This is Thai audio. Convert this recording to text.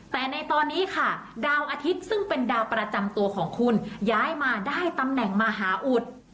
แต่ในตอนนี้ค่ะดาวอาทิตย์ซึ่งเป็นดาวประจำตัวของคุณย้ายมาได้ตำแหน่งมหาอุด